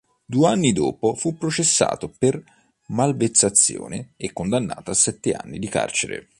Due anni dopo fu processato per malversazione e condannato a sette anni di carcere.